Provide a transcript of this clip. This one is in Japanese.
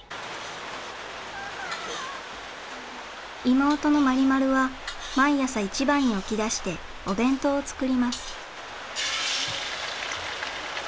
妹のマリマルは毎朝一番に起き出してお弁当を作ります。